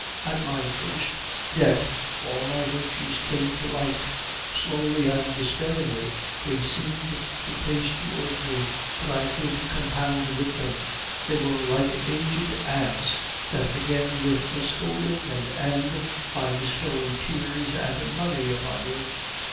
"At my first debt all my virtues came to life; slowly and despairingly they seemed to pace towards me; but I could compound with them they were like aged aunts that begin with a scolding and end by bestowing tears and money upon you.